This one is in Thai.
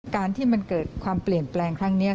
การที่มันเกิดความเปลี่ยนแปลงครั้งนี้